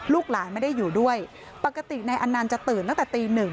ลูกหลานไม่ได้อยู่ด้วยปกตินายอนันต์จะตื่นตั้งแต่ตีหนึ่ง